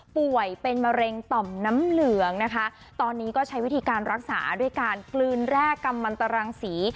ป่วยเป็นมะเร็งต่อมน้ำเหลืองนะคะตอนนี้ก็ใช้วิธีการรักษาด้วยการกลืนแรกกำมันตรังสี